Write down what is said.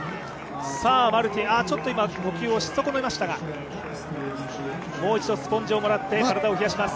マルティン、ちょっと今、補給をし損ねましたがもう一度スポンジをもらって体を冷やします。